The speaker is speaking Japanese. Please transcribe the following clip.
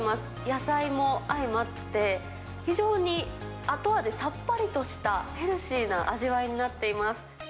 野菜も相まって、非常に後味さっぱりとしたヘルシーな味わいになっています。